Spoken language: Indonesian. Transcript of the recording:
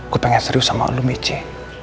gua pengen serius sama lu mici